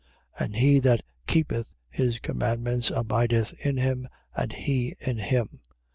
3:24. And he that keepeth his commandments abideth in him, and he in him.